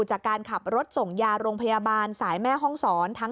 จากการขับรถส่งยาโรงพยาบาลสายแม่ห้องศร